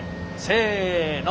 せの。